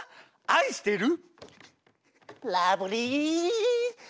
「愛してる」